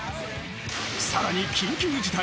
［さらに緊急事態］